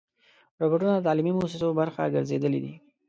روبوټونه د تعلیمي مؤسسو برخه ګرځېدلي دي.